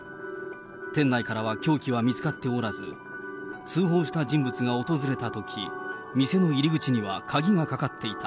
店内からは凶器は見つかっておらず、通報した人物が訪れたとき、店の入り口には鍵がかかっていた。